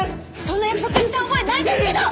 そんな約束した覚えないですけど！